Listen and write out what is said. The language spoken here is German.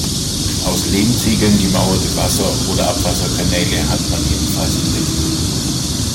Aus Lehmziegeln gemauerte Wasser- oder Abwasserkanäle hat man ebenfalls entdeckt.